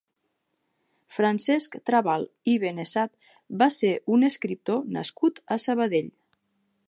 Francesc Trabal i Benessat va ser un escriptor nascut a Sabadell.